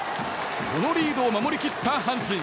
このリードを守り切った阪神。